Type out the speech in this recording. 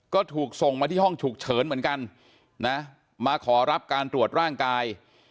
ก็ถูกส่งมาที่ห้องฉุกเฉินเหมือนกันนะมาขอรับการตรวจร่างกาย